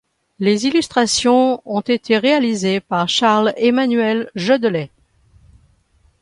Les illustrations ont été réalisée par Charles Emmanuel Jodelet.